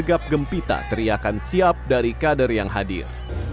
dan gegap gempita teriakan siap dari kader yang hadir